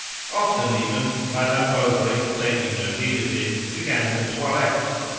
Often even Madame Bovary; taking no heed of him, began her toilette.